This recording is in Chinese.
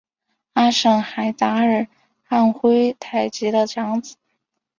阿什海达尔汉珲台吉的长子。